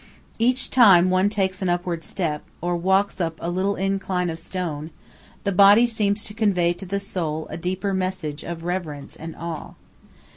Each time one takes an upward step, or walks up a little incline of stone, the body seems to convey to the soul a deeper message of reverence and awe.